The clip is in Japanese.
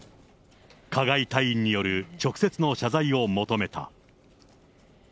加害隊員による直接の謝罪を求めた。